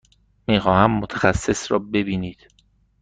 می خواهم متخصص را ببینید.